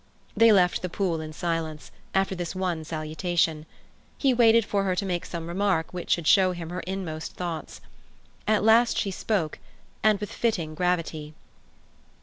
They left the pool in silence, after this one salutation. He waited for her to make some remark which should show him her inmost thoughts. At last she spoke, and with fitting gravity.